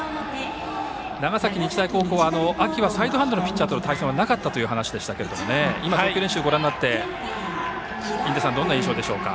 長崎日大高校は、秋はサイドハンドのピッチャーとは対戦はなかったという話でしたが今、投球練習をご覧になって印出さん、どんな印象ですか。